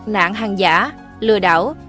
nạn hàng giả lừa đảo